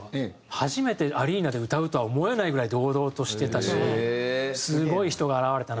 初めてアリーナで歌うとは思えないぐらい堂々としてたしすごい人が現れたなって。